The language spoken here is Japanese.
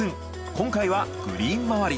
今回はグリーン周り